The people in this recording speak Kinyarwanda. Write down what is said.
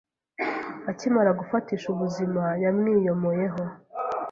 akimara gufatisha ubuzima yamwiyomoyeho